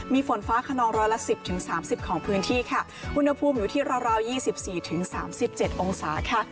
มีฝนฟ้าคนองร้อยละ๑๐๓๐ของพื้นที่วุณภูมิอยู่ที่ราว๒๔๓๗องศา